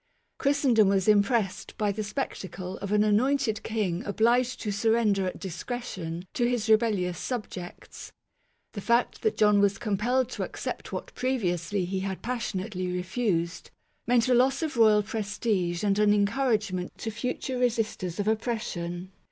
Christendom was impressed by the spectacle of an anointed king obliged to surrender at discretion to his rebellious subjects. The fact that John was compelled to accept what previously he had passionately refused, meant a loss of royal prestige and an en couragement to future resisters of oppression.